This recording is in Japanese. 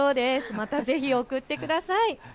また、ぜひ送ってください。